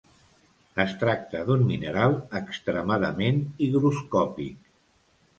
Es tracta d'un mineral extremadament higroscòpic.